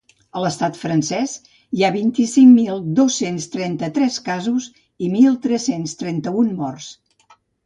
A l’estat francès hi ha vint-i-cinc mil dos-cents trenta-tres casos i mil tres-cents trenta-un morts.